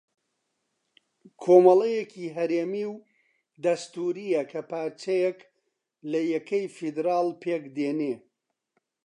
کۆمەڵەیەکی ھەرێمی و دەستوورییە کە پارچەیەک لە یەکەی فێدراڵ پێک دێنێ